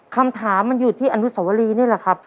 คำถามมันอยู่ที่อนุสวรีนี่แหละครับ